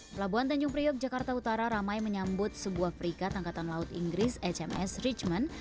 pelabuhan tanjung priok jakarta utara ramai menyambut sebuah frigat angkatan laut inggris hms richmond